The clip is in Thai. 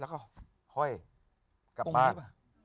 แล้วก็ห้อยกลับบ้าน